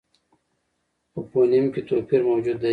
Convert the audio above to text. په فونېم کې توپیر موجود دی.